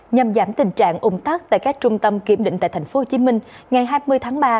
nhằm giảm tình trạng ủng tắc tại các trung tâm kiểm định tại tp hcm ngày hai mươi tháng ba